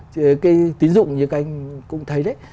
cái tính dụng như các anh cũng thấy đấy